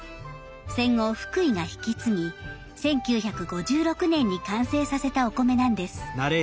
戦後福井が引き継ぎ１９５６年に完成させたお米なんです。